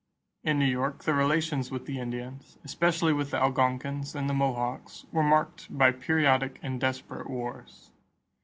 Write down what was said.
In New York, the relations with the Indians, especially with the Algonquins and the Mohawks, were marked by periodic and desperate wars.